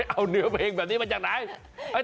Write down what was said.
เอาเนื้อเพลงแบบนี้มาจากไหน